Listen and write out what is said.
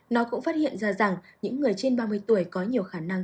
nó cũng phát hiện ra rằng những người trên ba mươi tuổi có nhiều khả năng